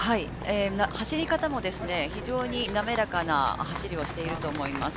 走り方も非常に滑らかな走りをしています。